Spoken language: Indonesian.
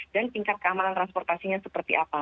dan tingkat keamanan transportasinya seperti apa